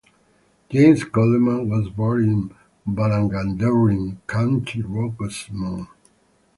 James Coleman was born in Ballaghaderreen, County Roscommon.